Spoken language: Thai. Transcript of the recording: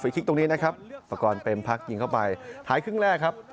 คลิกตรงนี้นะครับประกอบเต็มพักยิงเข้าไปหายครึ่งแรกครับ